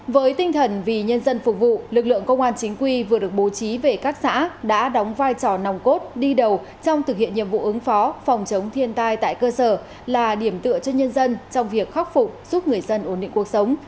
với tinh thần vì nhân dân phục vụ lực lượng công an chính quy vừa được bố trí về các xã đã đóng vai trò nòng cốt đi đầu trong thực hiện nhiệm vụ ứng phó phòng chống thiên tai tại cơ sở là điểm tựa cho nhân dân trong việc khắc phục giúp người dân ổn định cuộc sống